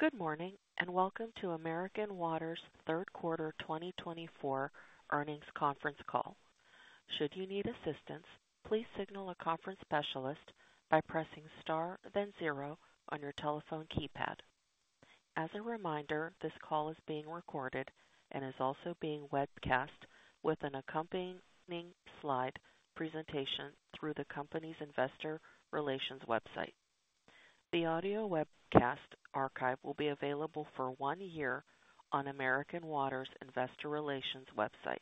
Good morning and welcome to American Water's Third Quarter 2024 Earnings Conference Call. Should you need assistance, please signal a conference specialist by pressing star then zero on your telephone keypad. As a reminder, this call is being recorded and is also being webcast with an accompanying slide presentation through the company's investor relations website. The audio webcast archive will be available for one year on American Water's investor relations website.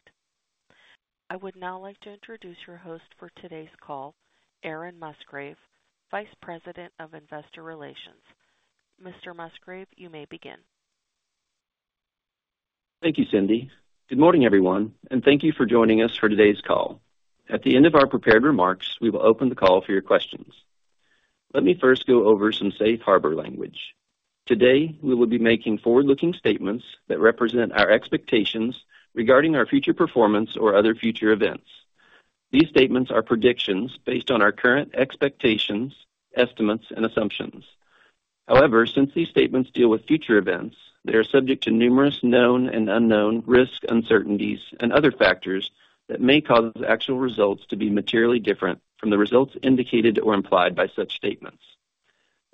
I would now like to introduce your host for today's call, Aaron Musgrave, Vice President of Investor Relations. Mr. Musgrave, you may begin. Thank you, Cindy. Good morning, everyone, and thank you for joining us for today's call. At the end of our prepared remarks, we will open the call for your questions. Let me first go over some Safe Harbor language. Today, we will be making forward-looking statements that represent our expectations regarding our future performance or other future events. These statements are predictions based on our current expectations, estimates, and assumptions. However, since these statements deal with future events, they are subject to numerous known and unknown risks, uncertainties, and other factors that may cause actual results to be materially different from the results indicated or implied by such statements.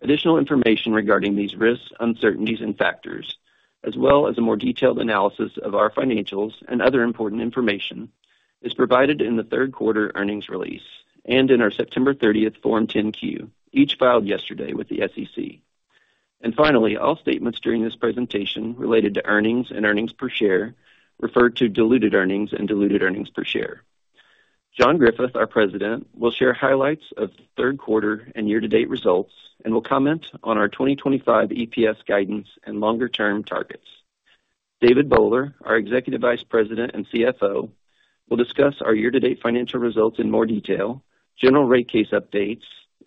Additional information regarding these risks, uncertainties and factors, as well as a more detailed analysis of our financials and other important information is provided in the third quarter earnings release and in our September 30th Form 10-Q each filed yesterday with the SEC. And finally, all statements during this presentation related to earnings and earnings per share referred to diluted earnings and diluted earnings per share. John Griffith, our President, will share highlights of third quarter and year-to-date results and will comment on our 2025 EPS guidance and longer-term targets. David Bowler, our Executive Vice President and CFO, will discuss our year-to-date financial results in more detail, general rate case updates,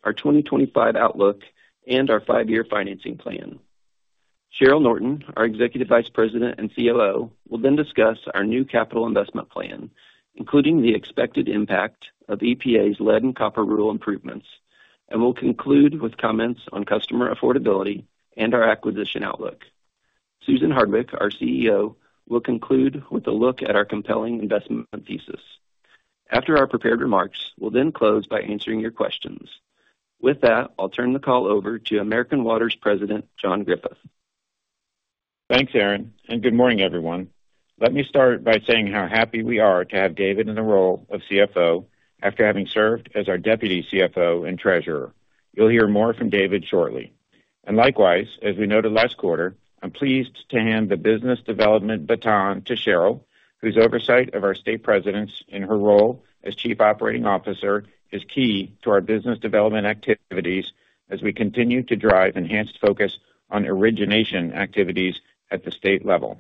our 2025 outlook and our five-year financing plan. Cheryl Norton, our Executive Vice President and COO, will then discuss our new capital investment plan including the expected impact of EPA's Lead and Copper Rule Improvements. And we'll conclude with comments on customer affordability and our acquisition outlook. Susan Hardwick, our CEO, will conclude with a look at our compelling investment thesis. After our prepared remarks, we'll then close by answering your questions. With that, I'll turn the call over to American Water's President John Griffith. Thanks Aaron and good morning everyone. Let me start by saying how happy we are to have David in the role of CFO after having served as our Deputy CFO and Treasurer. You'll hear more from David shortly. And likewise, as we noted last quarter, I'm pleased to hand the Business Development baton to Cheryl, whose oversight of our state presidents in her role as Chief Operating Officer is key to our business development activities as we continue to drive enhanced focus on origination activities at the state level.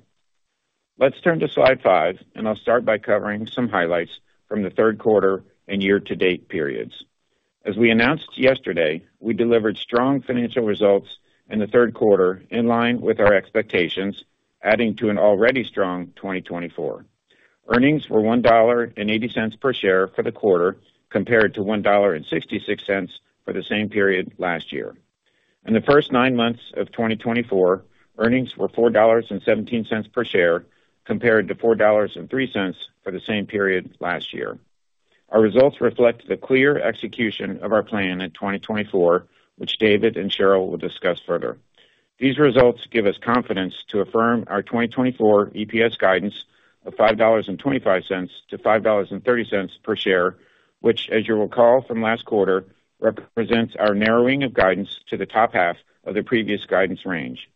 Let's turn to Slide 5 and I'll start by covering some highlights from the third quarter and year to date periods. As we announced yesterday, we delivered strong financial results in the third quarter in line with our expectations. Adding to an already strong 2024 earnings were $1.80 per share for the quarter compared to $1.66 for the same period last year. In the first nine months of 2024, earnings were $4.17 per share compared to $4.03 for the same period last year. Our results reflect the clear execution of our plan in 2024, which David and Cheryl will discuss further. These results give us confidence to affirm our 2024 EPS guidance of $5.25-$5.30 per share, which as you recall from last quarter represents our narrowing of guidance to the top half of the previous guidance range.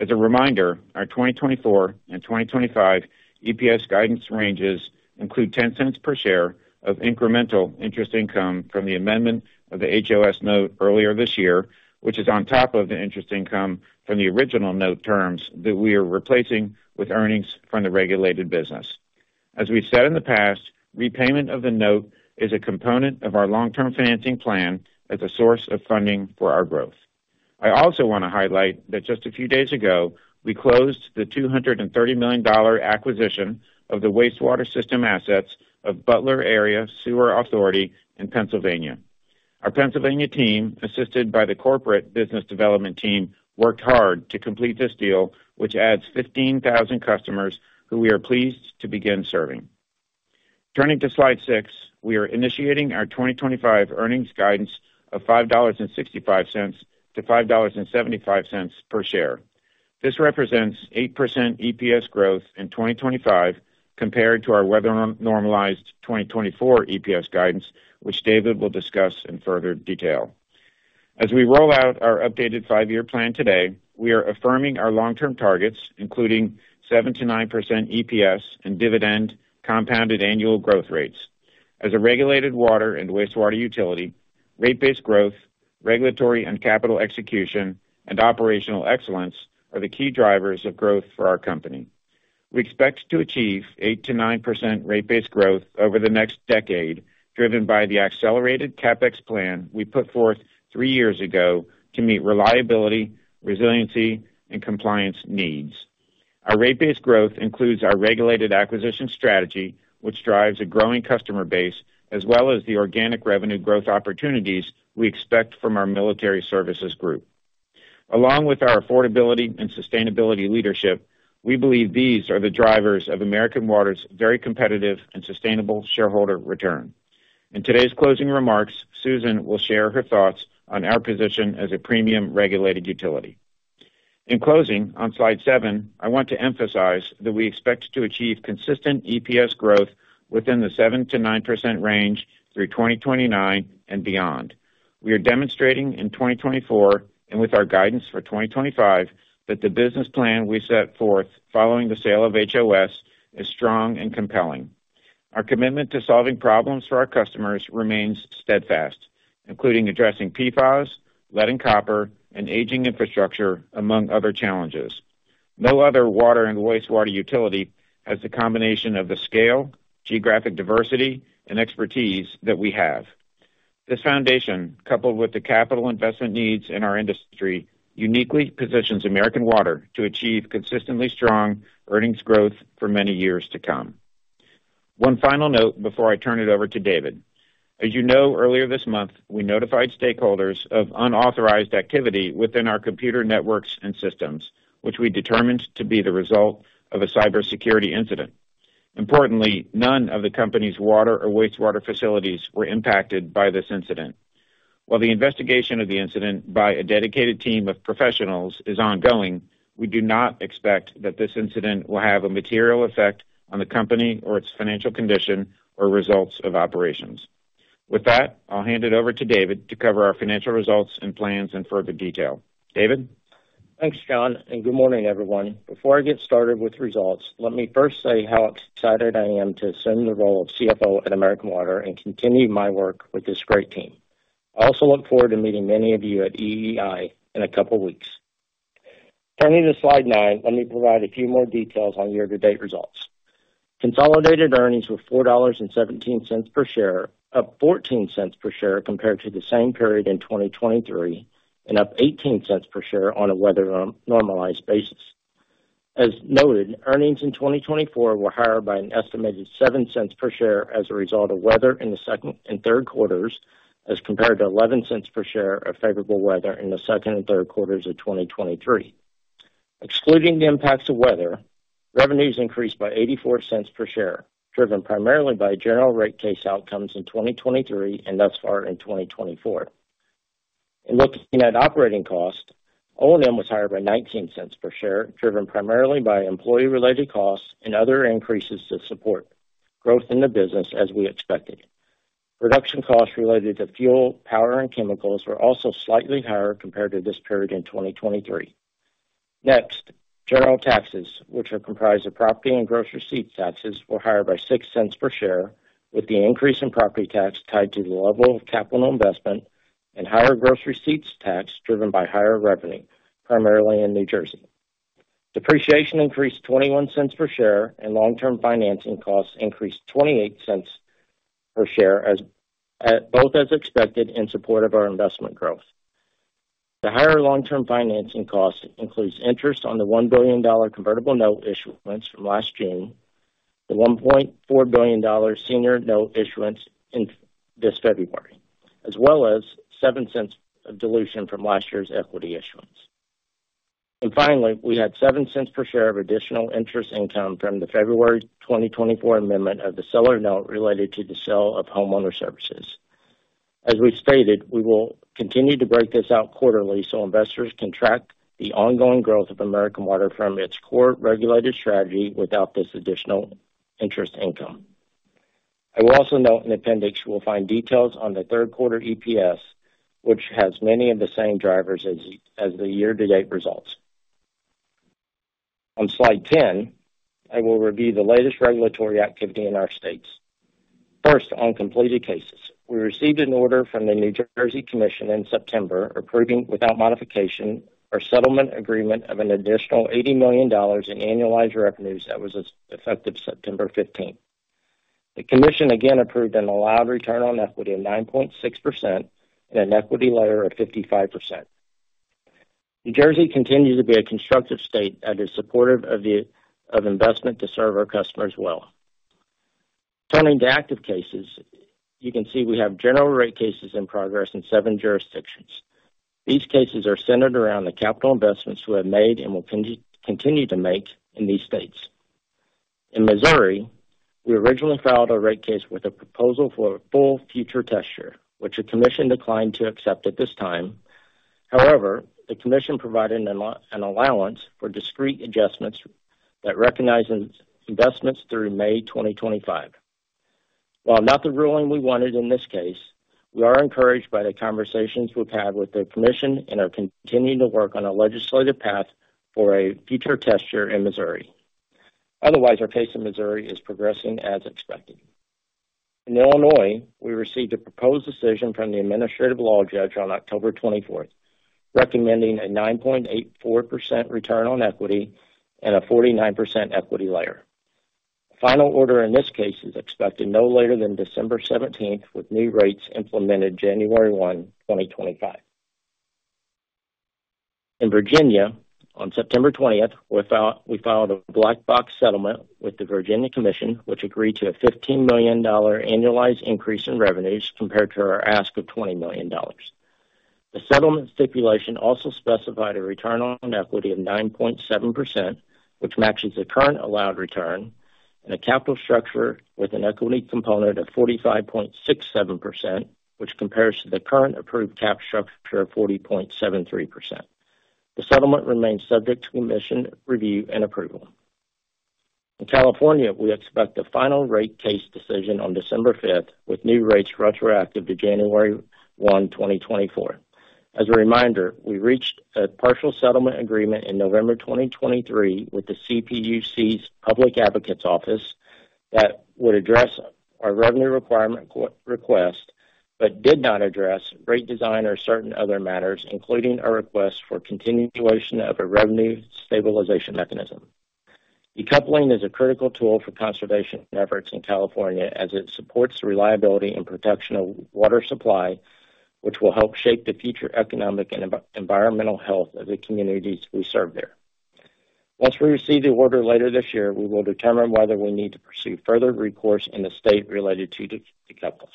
As a reminder, our 2024 and 2025 EPS guidance ranges include $0.10 per share of incremental interest income from the amendment of the HOS note earlier this year which is on top of the interest income from the original note terms that we are replacing with earnings from the regulated business. As we said in the past, repayment of the note is a component of our long term financing plan as a source of funding for our growth. I also want to highlight that just a few days ago we closed the $230 million acquisition of the wastewater system assets of Butler Area Sewer Authority in Pennsylvania. Our Pennsylvania team, assisted by the Corporate Business Development team worked hard to complete this deal which adds 15,000 customers who we are pleased to begin serving. Turning to slide 6, we are initiating our 2025 earnings guidance of $5.65-$5.75 per share. This represents 8% EPS growth in 2025 compared to our weather normalized 2024 EPS guidance for which David will discuss in further detail as we roll out our updated five-year plan. Today, we are affirming our long-term targets including 7%-9% EPS and dividend compounded annual growth rates as a regulated water and wastewater utility. Rate based growth, regulatory and capital execution, and operational excellence are the key drivers of growth for our company. We expect to achieve 8%-9% rate base growth over the next decade, driven by the accelerated CapEx plan we put forth three years ago to meet reliability, resiliency and compliance needs. Our rate base growth includes our regulated acquisition strategy which drives a growing customer base as well as the organic revenue growth opportunities we expect from our military services group, along with our affordability and sustainability leadership. We believe these are the drivers of American Water's very competitive and sustainable shareholder return. In today's closing remarks, Susan will share her thoughts on our position as a premium regulated utility. In closing on slide 7, I want to emphasize that we expect to achieve consistent EPS growth within the 7%-9% range through 2029 and beyond. We are demonstrating in 2024 and with our guidance for 2025 that the business plan we set forth following the sale of HOS is strong and compelling. Our commitment to solving problems for our customers remains steadfast, including addressing PFAS lead and copper and aging infrastructure, among other challenges. No other water and wastewater utility has the combination of the scale, geographic diversity and expertise that we have. This foundation, coupled with the capital investment needs in our industry uniquely positions American Water to achieve consistently strong earnings growth for many years to come. One final note before I turn it over to David. As you know, earlier this month we notified stakeholders of unauthorized activity within our computer networks and systems which we determined to be the result of a cybersecurity incident. Importantly, none of the company's water or wastewater facilities were impacted by this incident. While the investigation of the incident by a dedicated team of professionals is ongoing, we do not expect that this incident will have a material effect on the company or its financial condition or results of operations. With that, I'll hand it over to David to cover our financial results and plans in further detail. David thanks John, and good morning everyone. Before I get started with results, let me first say how excited I am to assume the role of CFO at American Water and continue my work with this great team. I also look forward to meeting many of you at EEI in a couple weeks. Turning to Slide 9, let me provide a few more details on year-to-date results. Consolidated earnings were $4.17 per share, up $0.14 per share compared to the same period in 2023 and up $0.18 per share on a weather normalized basis. As noted, earnings in 2024 were higher by an estimated $0.07 per share as a result of weather in the second and third quarters, as compared to $0.11 per share of favorable weather in the second and third quarters of 2023. Excluding the impacts of weather, revenues increased by $0.84 per share, driven primarily by general rate case outcomes in 2023 and thus far in 2024. Looking at operating costs, O&M was higher by $0.19 per share, driven primarily by employee related costs and other increases to support growth in the business. As we expected, production costs related to fuel, power and chemicals were also slightly higher compared to this period in 2023. Next, general taxes, which are comprised of property and gross receipts taxes, were higher by $0.06 per share, with the increase in property tax tied to the level of capital investment and higher gross receipts tax driven by higher revenue primarily in New Jersey. Depreciation increased $0.21 per share and long term financing costs increased $0.28 per share, both as expected in support of our investment growth. The higher long term financing cost includes interest on the $1 billion convertible note issuance from last June, the $1.4 billion senior note issuance this February, as well as $0.07 of dilution from last year's equity issuance and finally, we had $0.07 per share of additional interest income from the February 2024 amendment of the seller note related to the sale of Homeowner Services. As we stated, we will continue to break this out quarterly so investors can track the ongoing growth of American Water from its core regulated strategy without this additional interest income. I will also note in the Appendix you will find details on the third quarter EPS, which has many of the same drivers as the year to date. Results on slide 10. I will review the latest regulatory activity in our states. First, on completed cases, we received an order from the New Jersey Commission in September approving without modification our settlement agreement of an additional $80 million in annualized revenues that was effective September 15th. The Commission again approved an allowed return on equity of 9.6% and an equity layer of 55%. New Jersey continues to be a constructive state that is supportive of the investment to serve our customers well. Turning to active cases, you can see we have general rate cases in progress in seven jurisdictions. These cases are centered around the capital investments we have made and will continue to make in these states. In Missouri, we originally filed a rate case with a proposal for a full future test year which the Commission declined to accept at this time. However, the Commission provided an allowance for discrete adjustments that recognizes investments through May 2025. While not the ruling we wanted in this case, we are encouraged by the conversations we've had with the Commission and are continuing to work on a legislative path for a future test year in Missouri. Otherwise, our pace in Missouri is progressing as expected. In Illinois, we received a proposed decision from the administrative law judge on October 24th recommending a 9.84% return on equity and a 49% equity layer. Final order in this case is expected no later than December 17, with new rates implemented January 1, 2025 in Virginia. On September 20, we filed a black box settlement with the Virginia Commission, which agreed to a $15 million annualized increase in revenues compared to our ask of $20 million. The settlement stipulation also specified a return on equity of 9.7%, which matches the current allowed return, and a capital structure with an equity component of 45.67%, which compares to the current approved capital structure of 40.73%. The settlement remains subject to commission review and approval. In California, we expect a final rate case decision on December 5, with new rates retroactive to January 1, 2024. As a reminder, we reached a partial settlement agreement in November 2023 with the CPUC's Public Advocates Office that would address our revenue requirement request but did not address rate design or certain other matters, including our request for continuation of a revenue stabilization mechanism. Decoupling is a critical tool for conservation efforts in California as it supports the reliability and protection of water supply, which will help shape the future economic and environmental health of the communities we serve there. Once we receive the order later this year, we will determine whether we need to pursue further recourse in the state related to decoupling.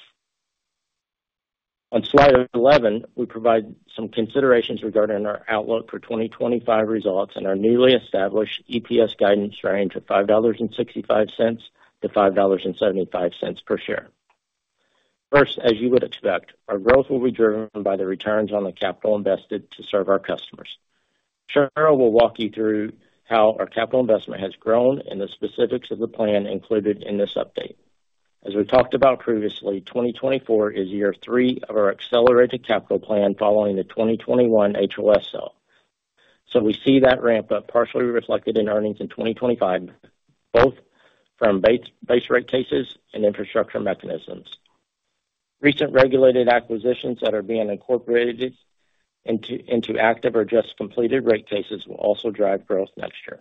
On Slide 11, we provide some considerations regarding our outlook for 2025 results and our newly established EPS guidance range of $5.60-$5.75 per share. First, as you would expect, our growth will be driven by the returns on the capital invested to serve our customers. Cheryl will walk you through how our capital investment has grown and the specifics of the plan included in this update. As we talked about previously, 2024 is year three of our accelerated capital plan following the 2021 HOS sale so we see that ramp up partially reflected in earnings in 2025, both from base rate cases and infrastructure mechanisms. Recent regulated acquisitions that are being incorporated into active or just completed rate cases will also drive growth next year.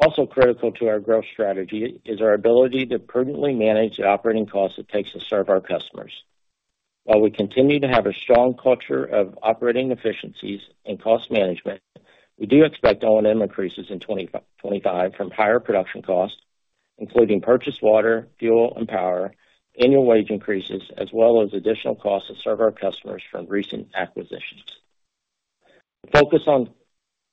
Also critical to our growth strategy is our ability to prudently manage the operating costs it takes to serve our customers. While we continue to have a strong culture of operating efficiencies and cost management, we do expect O&M increases in 2025 from higher production costs, including purchased water, fuel and power annual wage increases, as well as additional costs to serve our customers from recent acquisitions. The focus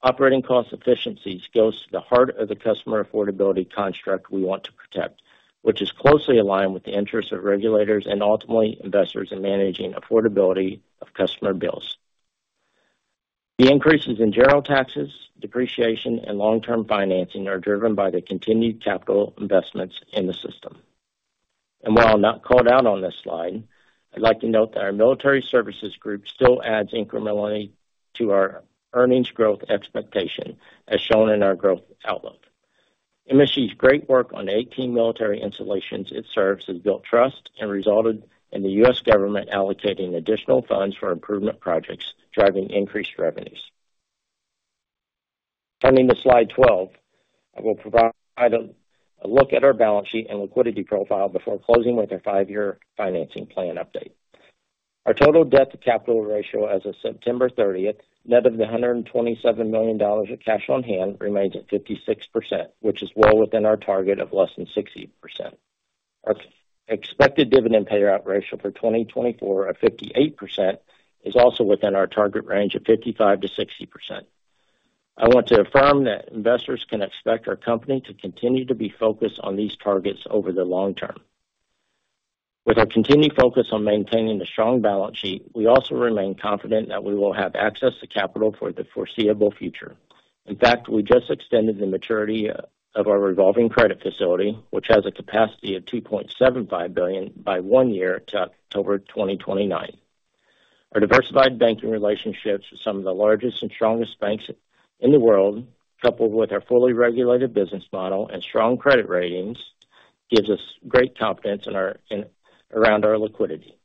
on operating cost efficiencies goes to the heart of the customer affordability construct we want to protect, which is closely aligned with the interests of regulators and ultimately investors in managing affordability of customer bills. The increases in general taxes, depreciation and long-term financing are driven by the continued capital investments in the system. While not called out on this slide, I'd like to note that our Military Services Group still adds incrementally to our earnings growth expectation as shown in our growth outlook. MSG's great work on 18 military installations it serves has built trust and resulted in the U.S. Government allocating additional funds for improvement projects driving increased revenues. Turning to slide 12, I will provide a look at our balance sheet and liquidity profile before closing with our five-year financing plan. Updating our total debt to capital ratio as of September 30th, net of the $127 million of cash on hand remains at 56%, which is well within our target of less than 60%. Our expected dividend payout ratio for 2024 of 58% is also within our target range of 55%-60%. I want to affirm that investors can expect our company to continue to be focused on these targets over the long term. With our continued focus on maintaining a strong balance sheet, we also remain confident that we will have access to capital for the foreseeable future. In fact, we just extended the maturity of our revolving credit facility which has a capacity of $2.75 billion, by one year to October 2029. Our diversified banking relationships with some of the largest and strongest banks in the world, coupled with our fully regulated business model and strong credit ratings gives us great confidence around our liquidity.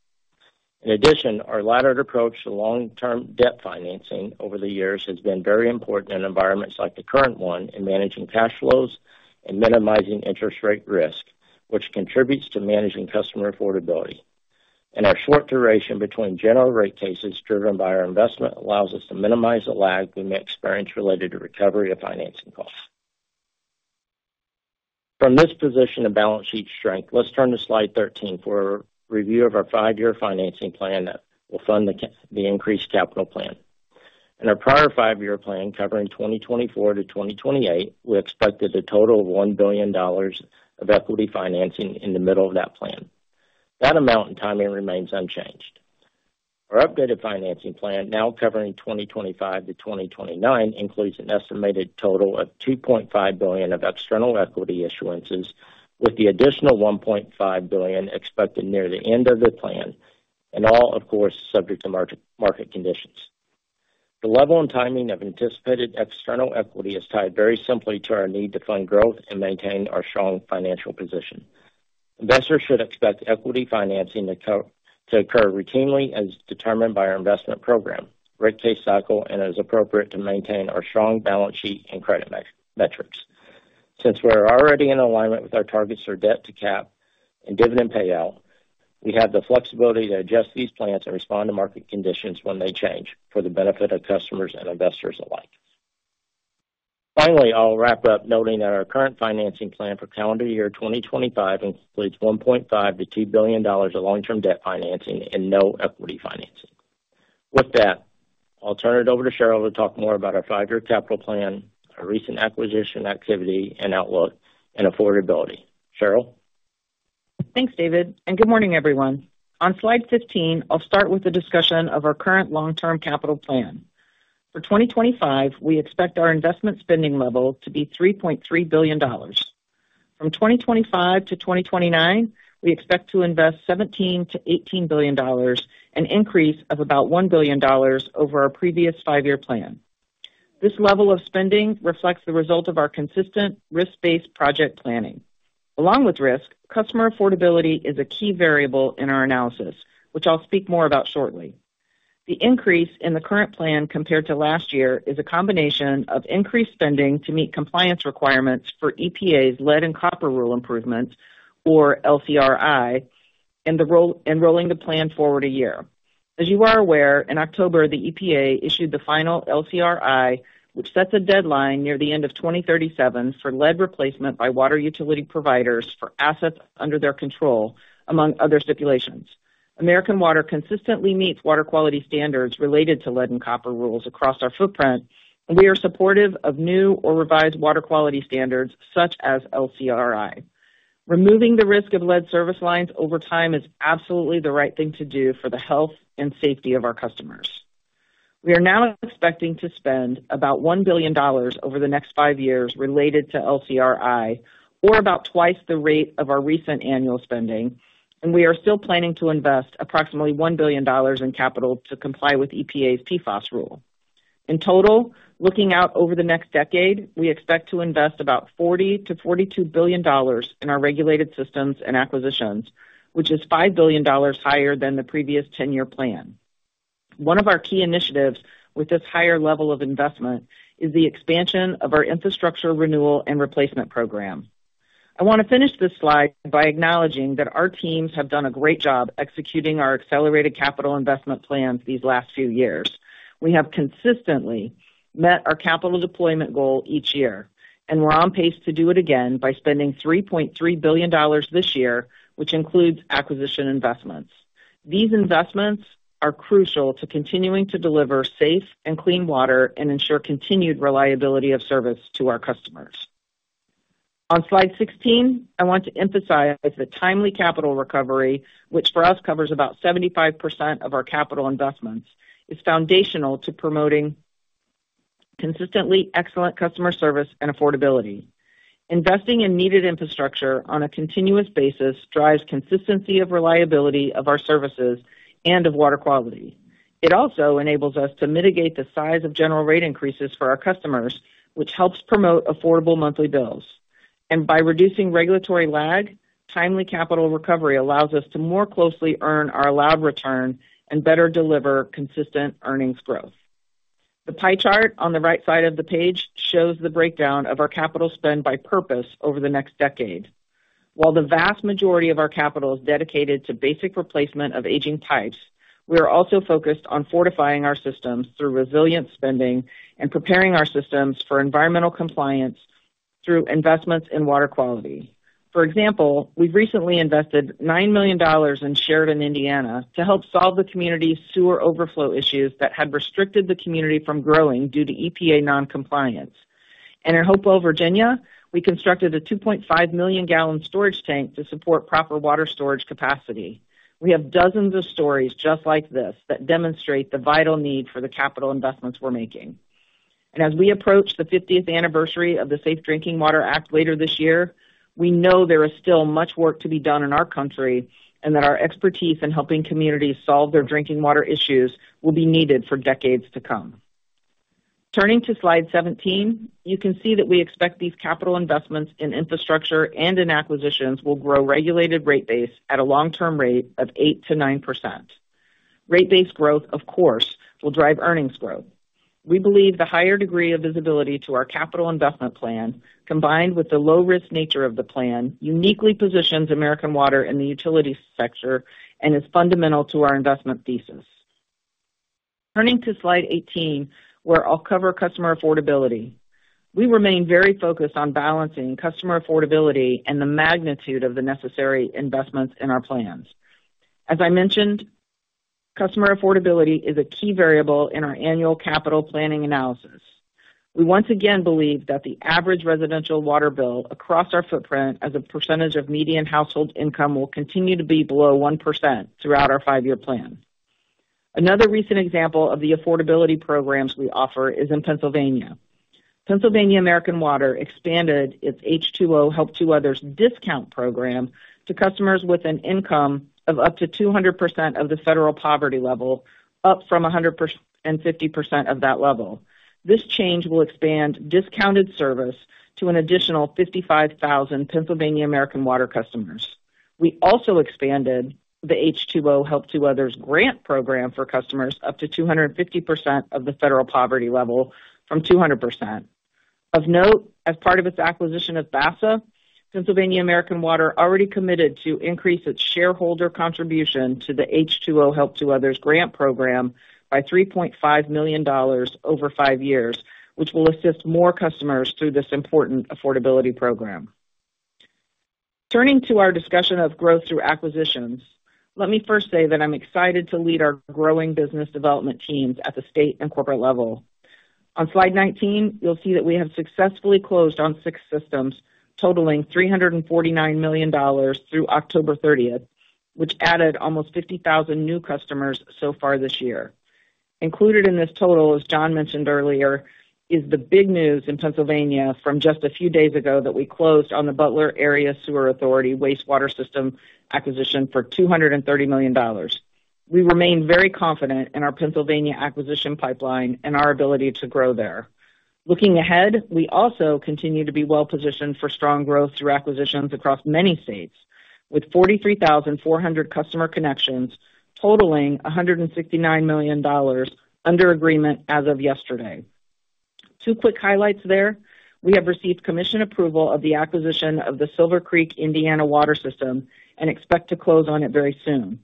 In addition, our laddered approach to long term debt financing over the years has been very important in environments like the current one in managing. Managing cash flows and minimizing interest rate risk, which contributes to managing customer affordability in our short duration between general rate cases driven by our investment, allows us to minimize the lag we may experience related to recovery of financing costs from this position of balance sheet strength. Let's turn to slide 13 for a review of our five year financing plan that will fund the increased capital plan. In our prior five year plan covering 2024-2028, we expected a total of $1 billion of equity financing in the middle of that plan. That amount and timing remains unchanged. Our updated financing plan, now covering 2025 to 2029, includes an estimated total of $2.5 billion of external equity issuances with the additional $1.5 billion expected near the end of the plan and all of course subject to market conditions. The level and timing of anticipated external equity is tied very simply to our need to fund growth and maintain our strong financial position. Investors should expect equity financing to occur routinely as determined by our investment program rate case cycle and as appropriate to maintain our strong balance sheet and credit metrics. Since we are already in alignment with our targets for debt-to-cap and dividend payout, we have the flexibility to adjust these plans and respond to market conditions when they change for the benefit of customers and investors alike. Finally, I'll wrap up noting that our current financing plan for calendar year 2025 includes $1.5 billion-$2 billion of long-term debt financing and no equity financing. With that, I'll turn it over to Cheryl to talk more about our five-year capital plan, our recent acquisition activity and outlook, and affordability. Cheryl thanks David and good morning everyone. On slide 15, I'll start with a discussion of our current long-term capital plan. For 2025 we expect our investment spending level to be $3.3 billion. From 2025 to 2029 we expect to invest $17 billion-$18 billion, an increase of about $1 billion over our previous five-year plan. This level of spending reflects the result of our consistent risk-based project planning. Along with risk, customer affordability is a key variable in our analysis, which I'll speak more about shortly. The increase in the current plan compared to last year is a combination of increased spending to meet compliance requirements for EPA's Lead and Copper Rule Improvements or LCRI, and rolling the plan forward a year. As you are aware, in October the EPA issued the final LCRI, which sets a deadline near the end of 2037 for lead replacement by water utility providers for assets under their control. Among other stipulations, American Water consistently meets water quality standards related to lead and copper rules across our footprint, and we are supportive of new or revised water quality standards such as LCRI. Removing the risk of lead service lines over time is absolutely the right thing to do for the health and safety of our customers. We are now expecting to spend about $1 billion over the next five years related to LCRI, or about twice the rate of our recent annual spending. And we are still planning to invest approximately $1 billion in capital to comply with EPA's PFAS rule. In total, looking out over the next decade we expect to invest about $40 billion-$42 billion in our regulated systems and acquisitions, which is $5 billion higher than the previous 10-year plan. One of our key initiatives with this higher level of investment is the expansion of our Infrastructure Renewal and Replacement program. I want to finish this slide by acknowledging that our teams have done a great job executing our accelerated capital investment plans these last few years. We have consistently met our capital deployment goal each year, and we're on pace to do it again by spending $3.3 billion this year, which includes acquisition investments. These investments are crucial to continuing to deliver safe and clean water and ensure continued reliability of service to our customers. On slide 16, I want to emphasize the timely capital recovery, which for us covers about 75% of our capital investments, is foundational to promoting consistently excellent customer service and affordability. Investing in needed infrastructure on a continuous basis drives consistency of reliability of our services and of water quality. It also enables us to mitigate the size of general rate increases for our customers, which helps promote affordable monthly bills and by reducing regulatory lag, timely capital recovery allows us to more closely earn our allowed return and better deliver consistent earnings growth. The pie chart on the right side of the page shows the breakdown of our capital spend by purpose over the next decade. While the vast majority of our capital is dedicated to basic replacement of aging pipes, we are also focused on fortifying our systems through resilient spending and preparing our systems for environmental compliance through investments in water quality. For example, we've recently invested $9 million in Sheridan, Indiana, to help solve the community's sewer overflow issues that had restricted the community from growing due to EPA noncompliance, and in Hopewell, Virginia, we constructed a 2.5-million-gallon storage tank to support proper water storage capacity. We have dozens of stories just like this that demonstrate the vital need for the capital investments we're making. As we approach the 50th anniversary of the Safe Drinking Water Act later this year, we know there is still much work to be done in our country and that our expertise in helping communities solve their drinking water issues will be needed for decades to come. Turning to slide 17, you can see that we expect these capital investments in infrastructure and in acquisitions will grow regulated rate base at a long term rate of 8%-9% rate base growth, of course, will drive earnings growth. We believe the higher degree of visibility to our capital investment plan, combined with the low risk nature of the plan, uniquely positions American Water in the utility sector and is fundamental to our investment thesis. Turning to Slide 18, where I'll cover customer affordability, we remain very focused on balancing customer affordability and the magnitude of the necessary investments in our plans. As I mentioned, customer affordability is a key variable in our annual capital planning analysis. We once again believe that the average residential water bill across our footprint as a percentage of median household income will continue to be below 1% throughout our five-year plan. Another recent example of the affordability programs we offer is in Pennsylvania. Pennsylvania American Water expanded its H2O Help to Others discount program to customers with an income of up to 200% of the federal poverty level, up from 150% of that level. This change will expand discounted service to an additional 55,000 Pennsylvania American Water customers. We also expanded the H2O Help to Others grant program for customers up to 250% of the federal poverty level from 200%. Of note, as part of its acquisition of BASA, Pennsylvania American Water already committed to increase its shareholder contribution to the H2O Help to Others grant program by $3.5 million over five years, which will assist more customers through this important affordability program. Turning to our discussion of growth through acquisitions, let me first say that I'm excited to lead our growing business development teams at the state and corporate level. On slide 19, you'll see that we have successfully closed on six systems totaling $349 million through October 30, which added almost 50,000 new customers so far this year. Included in this total, as John mentioned earlier, is the big news in Pennsylvania from just a few days ago that we closed on the Butler Area Sewer Authority Wastewater system acquisition for $230 million. We remain very confident in our Pennsylvania acquisition pipeline and our ability to grow there. Looking ahead, we also continue to be well positioned for strong growth through acquisitions across many states with 43,400 customer connections totaling $169 million under agreement as of yesterday. Two quick highlights there. We have received commission approval of the acquisition of the Silver Creek Water Corporation and expect to close on it very soon,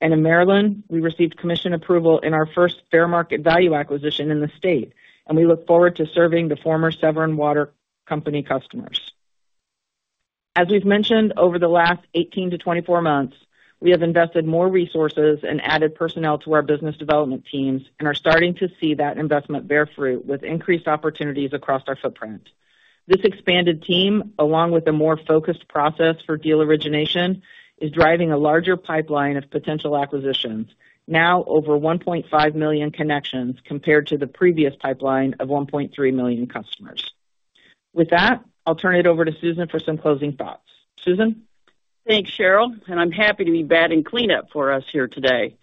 and in Maryland we received Commission approval in our first fair market value acquisition in the state and we look forward to serving the former Severn Water Company customers. As we've mentioned, over the last 18-24 months we have invested more resources and added personnel to our business development teams and are starting to see that investment bear fruit with increased opportunities across our footprint. This expanded team, along with a more focused process for deal origination, is driving a larger pipeline of potential acquisitions now over 1.5 million connections compared to the previous pipeline of 1.3 million customers. With that, I'll turn it over to Susan for some closing thoughts. Thanks, Cheryl, and I'm happy to be batting cleanup for us here today.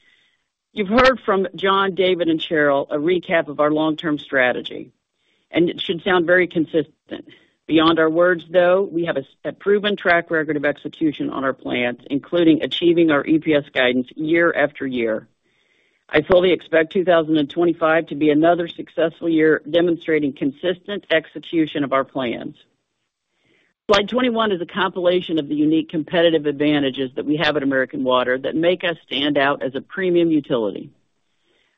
You've heard from John, David, and Cheryl a recap of our long-term strategy, and it should sound very consistent. Beyond our words, though, we have a. Proven track record of execution on our plans, including achieving our EPS guidance year after year. I fully expect 2025 to be another successful year demonstrating consistent execution of our plans. Slide 21 is a compilation of the unique competitive advantages that we have at American Water that make us stand out as a premium utility.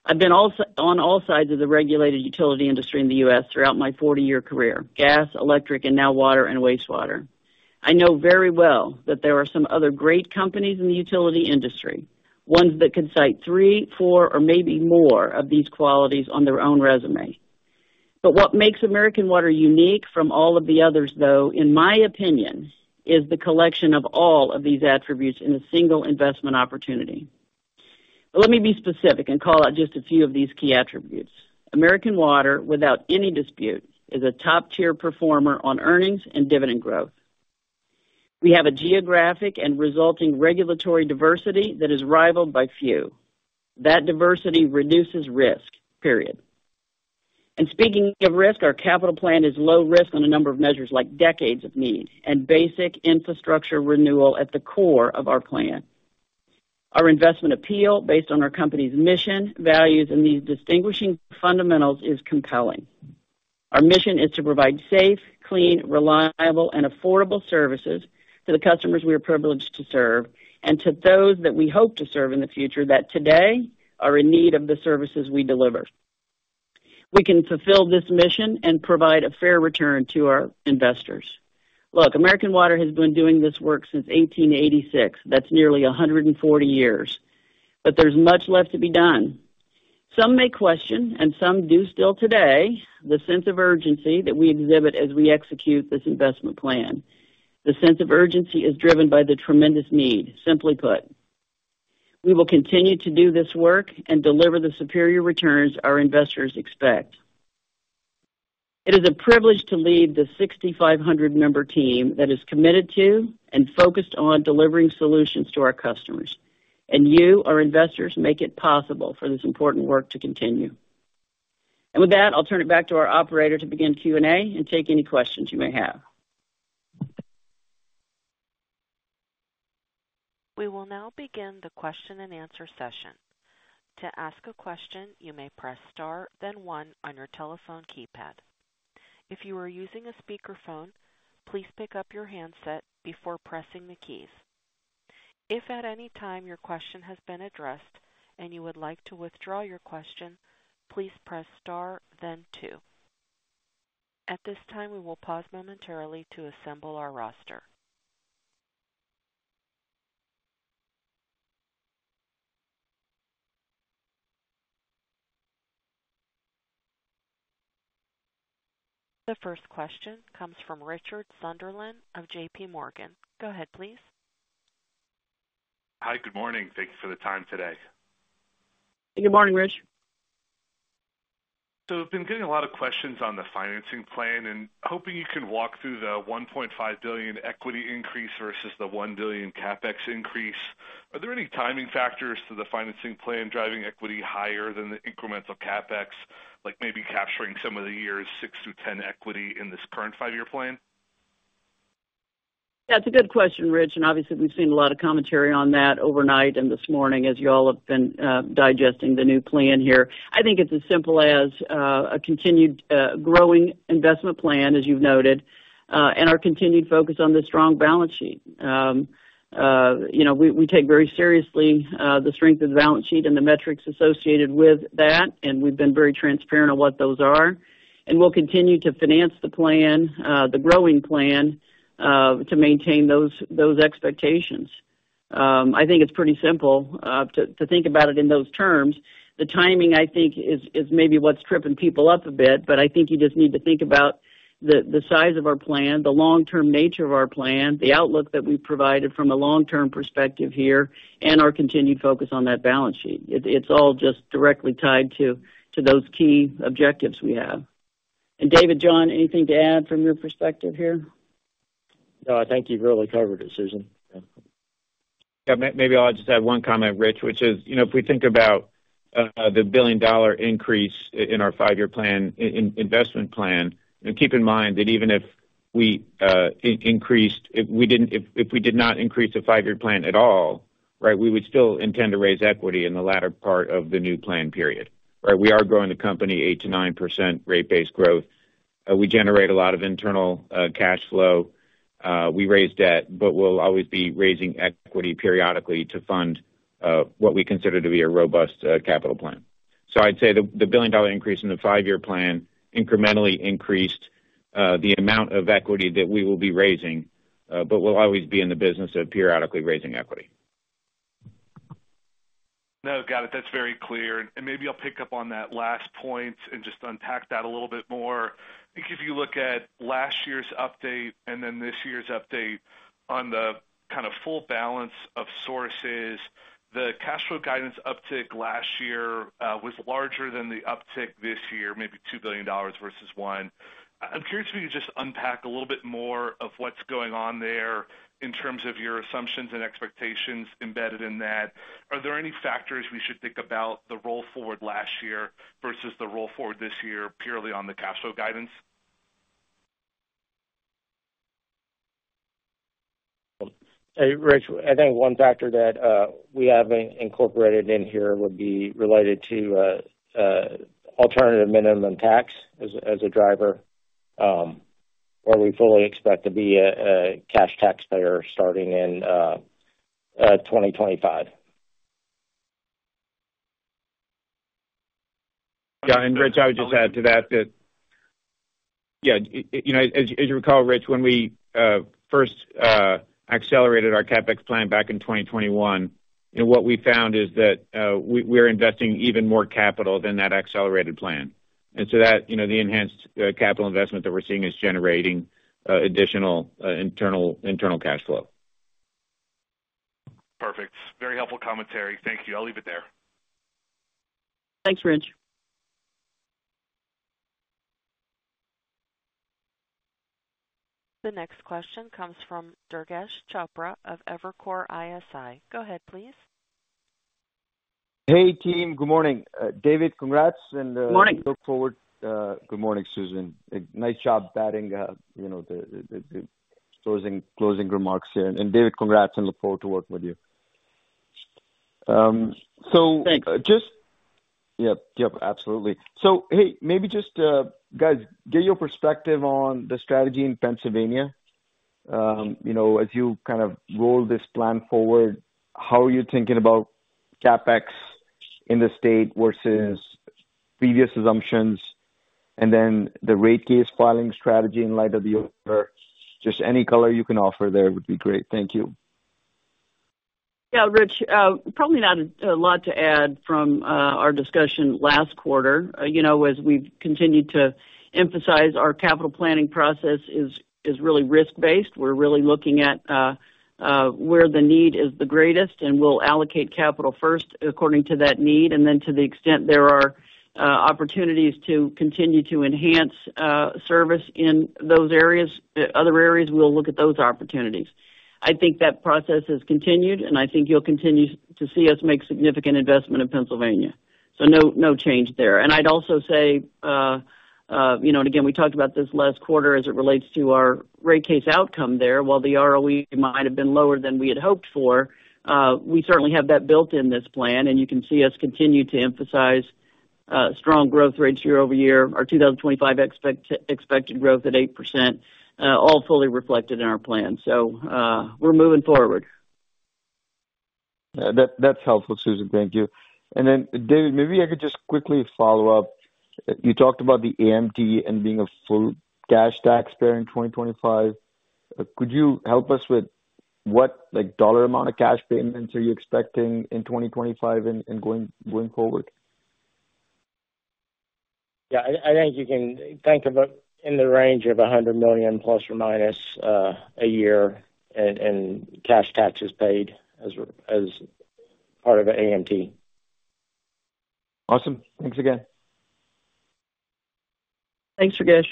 I've been on all sides of the regulated utility industry in the U.S. throughout my 40-year career. Gas, electric, and now water and wastewater. I know very well that there are some other great companies in the utility industry, ones that could cite three, four, or maybe more of these qualities on their own resume. But what makes American Water unique from all of the others though, in my opinion, is the collection of all of these attributes in a single investment opportunity. Let me be specific and call out just a few of these key attributes. American Water, without any dispute, is a top tier performer on earnings and dividend growth. We have a geographic and resulting regulatory diversity that is rivaled by few. That diversity reduces risk. Period. And speaking of risk, our capital plan is low risk on a number of measures like decades of need and basic infrastructure renewal. At the core of our plan, our investment appeal based on our company's mission, values and these distinguishing fundamentals is compelling. Our mission is to provide safe, clean, reliable and affordable services to the customers we are privileged to serve and to those that we hope to serve in the future that today are in need of the services we deliver. We can fulfill this mission and provide a fair return to our investors. Look, American Water has been doing this work since 1886. That's nearly 140 years. But there's much left to be done. Some may question and some do still today, the sense of urgency that we exhibit as we execute this investment plan. The sense of urgency is driven by the tremendous need. Simply put, we will continue to do this work and deliver the superior returns our investors expect. It is a privilege to lead the 6,500-member team that is committed to and focused on delivering solutions to our customers and you, our investors, make it possible for this important work to continue. And with that, I'll turn it back to our operator to begin Q and A and take any questions you may have. We will now begin the question and answer session. To ask a question, you may press star, then one on your telephone keypad. If you are using a speakerphone, please pick up your handset before pressing the keys. If at any time your question has been addressed and you would like to withdraw your question, please press Star, then. At this time, we will pause momentarily to assemble our roster. The first question comes from Richard Sunderland of JPMorgan. Go ahead, please. Hi, good morning. Thank you for the time today. Good morning, Rich. I've been getting a lot of questions on the financing plan and hoping you can walk through the $1.5 billion equity increase versus the $1 billion CapEx increase. Are there any timing factors to the financing plan driving equity higher than the incremental CapEx, like maybe capturing some of the years 6 through 10 equity in this current 5-year plan? That's a good question, Rich, and obviously we've seen a lot of commentary on that overnight and this morning as you all have been digesting the new plan here, I think it's as simple as a continued growing investment plan, as you've noted, and our continued focus on the strong balance sheet. You know, we take very seriously the strength of the balance sheet and the metrics associated with that and we've been very transparent on what those are, and we'll continue to finance the plan, the growing plan to maintain those expectations. I think it's pretty simple to think about it in those terms. The timing I think is maybe what's tripping people up a bit. But I think you just need to think about the size of our plan, the long term nature of our plan, the outlook that we provided from a long term perspective here and our continued focus on that balance sheet. It's all just directly tied to those key objectives we have. And David, John, anything to add from your perspective here? No, I think you've really covered it, Susan. Maybe I'll just add one comment, Rich, which is, you know, if we think about the $1 billion increase in our five year plan investment plan, keep in mind that even if we increased, we didn't, if we did not increase a five year plan at all, right. We would still intend to raise equity in the latter part of the new plan, period. Right. We are growing the company 8%-9% rate base growth. We generate a lot of internal cash flow, we raise debt, but we'll always be raising equity periodically to fund what we consider to be a robust capital plan. I'd say the $1 billion-dollar increase in the five-year plan incrementally increased the amount of equity that we will be raising, but we'll always be in the business of periodically raising equity. No, got it. That's very clear. And maybe I'll pick up on that last point and just unpack that a little bit more. I think if you look at last year's update and then this year's update on the kind of full balance of sources. The cash flow guidance uptick last year was larger than the uptick this year. Maybe $2 billion versus $1 billion. I'm curious if you could just unpack a little bit more of what's going on there in terms of your assumptions and expectations embedded in that. Are there any factors we should think about the roll forward last year versus the roll forward this year purely on the cash flow guidance? Hey, Rich, I think one factor that we have incorporated in here would be related to Alternative Minimum Tax as a driver where we fully expect to be a cash taxpayer starting in 2025. Rich, I would just add to that. That. Yes, as you recall, Rich, when we first accelerated our CapEx plan back in 2021, what we found is that we're investing even more capital than that accelerated plan, and so that, you know, the enhanced capital investment that we're seeing is generating additional internal cash flow. Perfect. Very helpful commentary. Thank you. I'll leave it there. Thanks, Rich. The next question comes from Durgesh Chopra of Evercore ISI. Go ahead, please. Hey, team. Good morning, David. Congrats and look forward. Good morning, Susan. Nice job batting. You know, the closing remarks here. And David, congrats and look forward to working with you. So just. Yep, yep, absolutely. So, hey, maybe just guys, get your. Perspective on the strategy in Pennsylvania. You know, as you kind of roll this plan forward, how are you thinking about CapEx in the state versus previous assumptions and then the rate case filing strategy in light of the order? Just any color you can offer there would be great. Thank you. Yeah, Durgesh, probably not a lot to add from our discussion last quarter. You know, as we've continued to emphasize, our capital planning process is really risk based. We're really looking at where the need is the greatest and we'll allocate capital first according to that need. And then to the extent there are opportunities to continue to enhance service in those areas, other areas, we'll look at those opportunities. I think that process has continued and I think you'll continue to see us make significant investment in Pennsylvania. So no change there. And I'd also say, you know, and again, we talked about this last quarter as it relates to our rate case outcome there. While the ROE might have been lower than we had hoped for, we certainly have that built in this plan. And you can see us continue to emphasize strong growth rates year over year. Our 2025 expected growth at 8%, all fully reflected in our plan. So we're moving forward. That's helpful, Susan. Thank you. And then, David, maybe I could just quickly follow up. You talked about the AMT and being a full cash taxpayer in 2025. Could you help us with what, like dollar amount of cash payments are you expecting in 2025 and going forward? Yeah, I think you can think of it in the range of $100 million plus or minus a year in cash taxes paid as part of AMT. Awesome. Thanks again. Thanks, Durgesh.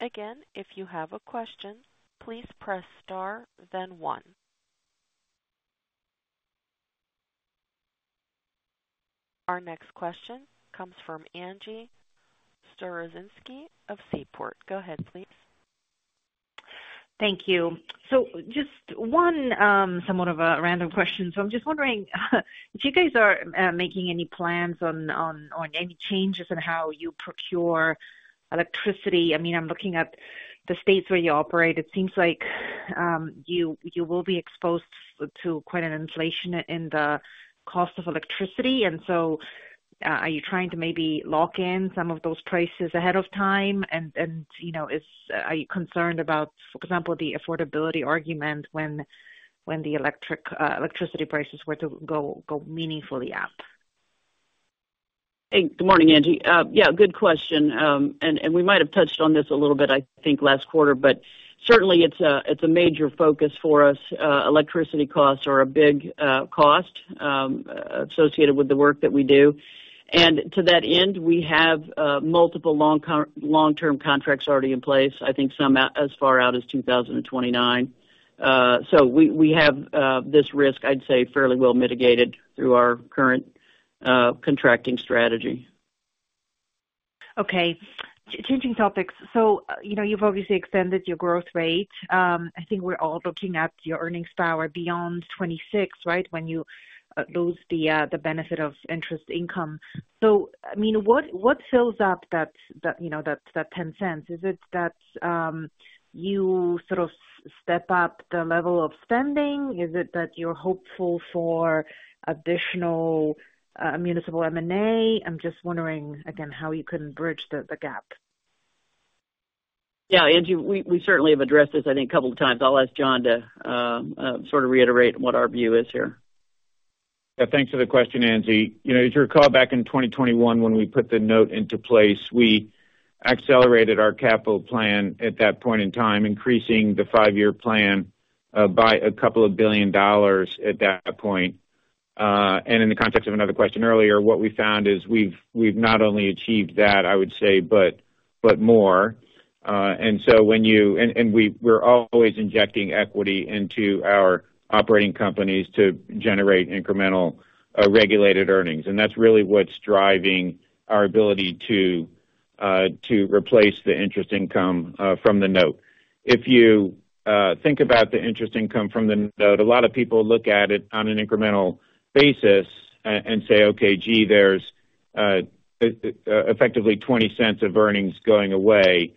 Again, if you have a question, please press star then one. Our next question comes from Angie Storozynski of Seaport. Go ahead, please. Thank you. So, just one somewhat of a random question. So I'm just wondering if you guys are making any plans on any changes in how you procure electricity. I mean, I'm looking at the states where you operate, it seems like you will be exposed to quite an inflation in the cost of electricity. And so are you trying to maybe lock in some of those prices ahead of time? And, you know, are you concerned about, for example, the affordability argument when the electricity prices were to go meaningfully up? Good morning, Angie. Yeah, good question. And we might have touched on this a little bit, I think, last quarter, but certainly it's a major focus for us. Electricity costs are a big cost associated with the work that we do. And to that end, we have multiple long term contracts already in place, I think some as far out as 2029. So we have this risk, I'd say fairly well mitigated through our current contracting strategy. Okay. Changing topics. So you've obviously extended your growth rate. I think we're all looking at your earnings power beyond 26. Right. When you lose the benefit of interest income. So I mean, what fills up that $0.10? Is it that you sort of step up the level of spending? Is it that you're hopeful for additional municipal M&A? I'm just wondering again how you couldn't bridge the gap. Yeah, Angie, we certainly have addressed this, I think a couple of times. I'll ask John to sort of reiterate what our view is here. Thanks for the question, Angie. You know, as you recall, back in 2021, when we put the note into place, we accelerated our capital plan at that point in time, increasing the five year plan by a couple of billion dollars at that point. And in the context of another question earlier, what we found is we've not only achieved that, I would say, but more. And so when you. And we're always injecting equity into our operating companies to generate incremental regulated earnings. And that's really what's driving our ability to replace the interest income from the note. If you think about the interest income from the note, a lot of people look at it on an incremental basis and say, okay, gee, there's effectively $0.20 of earnings going away.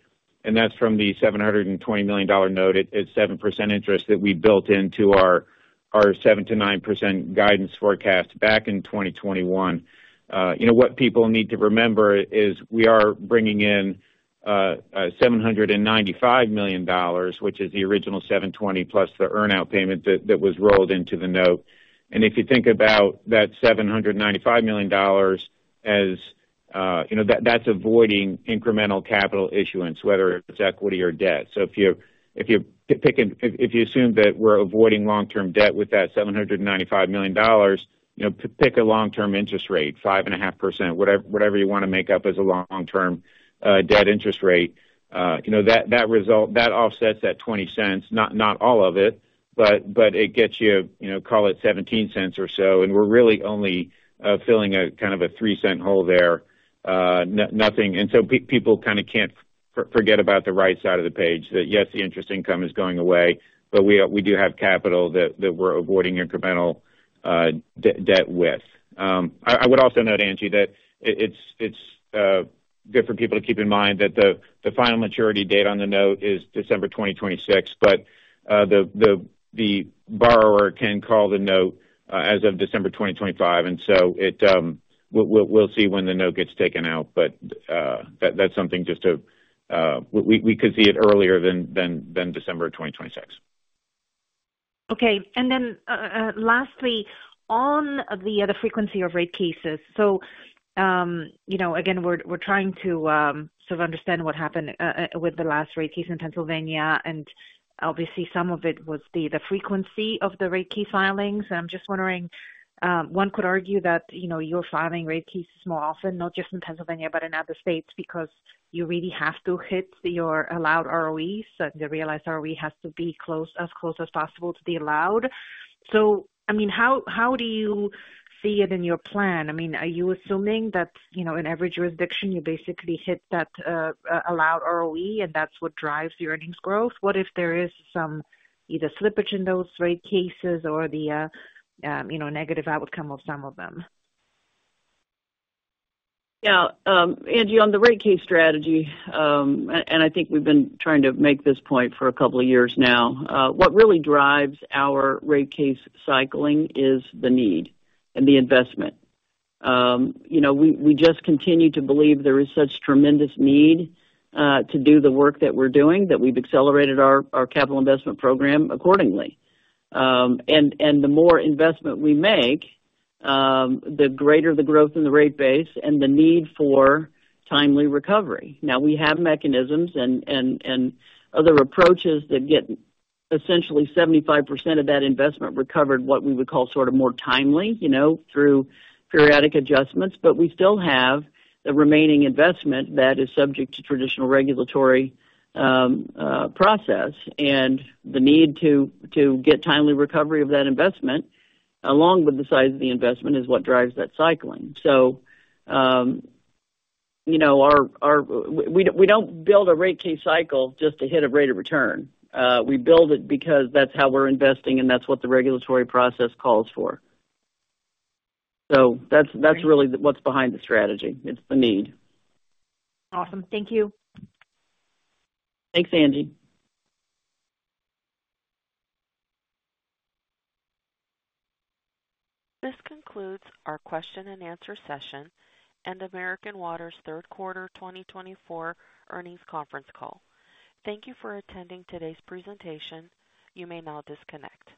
That's from the $720 million note at 7% interest that we built into our 7%-9% guidance forecast back in 2021. You know, what people need to remember is we are bringing in $795 million, which is the original $720 million, plus the earn out payment that was rolled into the note. And if you think about that $795 million, as you know, that's avoiding incremental capital issuance, whether it's equity or debt. So if you assume that we're avoiding long term debt with that $795 million, pick a long term interest rate, 5.5%, whatever you want to make up as a long term debt interest rate, you know, that result, that offsets that $0.20, not all of it, but it gets, you call it $0.17 or so. And we're really only filling a kind of a $0.03 hole there. Nothing. People kind of can't forget about the right side of the page that yes, the interest income is going away, but we do have capital that we're avoiding incremental debt with. I would also note, Angie, that it's good for people to keep in mind that the final maturity date on the note is December 2026, but the borrower can call the note as of December 2025. We'll see when the note gets taken out. But that's something just to, we could see it earlier than December 2026. Okay. And then lastly on the other frequency of rate cases, so you know, again, we're trying to sort of understand what happened with the last rate case in Pennsylvania. And obviously some of it was the frequency of the rate case filings. I'm just wondering. One could argue that, you know, you're filing rate cases more often, not just in Pennsylvania, but in other states, because you really have to hit your allowed ROEs. The realized ROE has to be close, as close as possible to the allowed. So I mean, how do you see it in your plan? I mean, are you assuming that, you know, in every jurisdiction you basically hit that allowed ROE and that's what drives the earnings growth? What if there is some either slippage in those rate cases or the, you know, negative outcome of some of them? Now, Angie, on the rate case strategy, and I think we've been trying to make this point for a couple of years now. What really drives our rate case cycling is the need and the investment. You know, we just continue to believe there is such tremendous need to do the work that we're doing that we've accelerated our capital investment program accordingly. And the more investment we make, the greater the growth in the rate base and the need for timely recovery. Now we have mechanisms and other approaches that get essentially 75% of that investment recovered, what we would call sort of more timely, you know, through periodic adjustments. But we still have the remaining investment that is subject to traditional regulatory process. And the need to get timely recovery of that investment, along with the size of the investment is what drives that cycling. So, you know, we don't build a rate case cycle just to hit a rate of return. We build it because that's how we're investing and that's what the regulatory process calls for. So that's really what's behind the strategy. It's the need. Awesome. Thank you. Thanks, Angie. This concludes our question and answer session and American Water's Third Quarter 2024 Earnings Conference Call. Thank you for attending today's presentation. You may now disconnect.